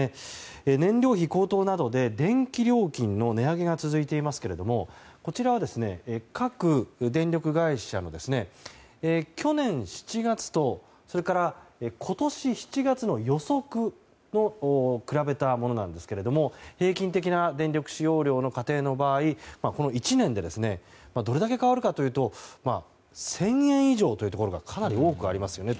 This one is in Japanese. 燃料費高騰などで電気料金の値上げが続いていますけれどもこちらは、各電力会社の去年７月と今年７月の予測を比べたものなんですが平均的な電力使用量の家庭の場合１年でどれだけ変わるかというと１０００円以上というところがかなり多くありますよね。